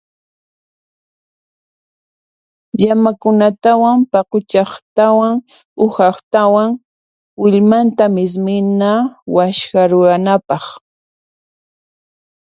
Llamakunaqtawan paquchaqtawan uhaqtawan willmanta mismina waskha ruwanapaq.